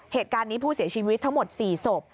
เหตุการณ์นี้ผู้เสียชีวิตทั้งหมด๔ศพ